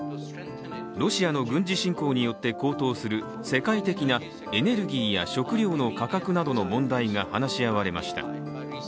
ロシアの軍事侵攻によって高騰する世界的な、エネルギーや食糧の価格などの問題が話し合われました。